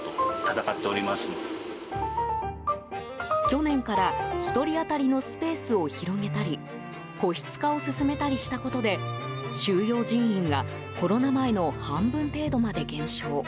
去年から１人当たりのスペースを広げたり個室化を進めたりしたことで収容人員がコロナ前の半分程度まで減少。